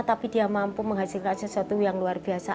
tapi dia mampu menghasilkan sesuatu yang luar biasa